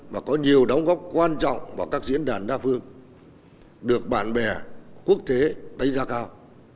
và có nhiều đóng góp quan trọng vào các diễn đàn đa phương được bạn bè quốc tế đánh giá cao